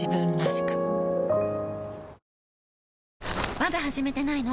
まだ始めてないの？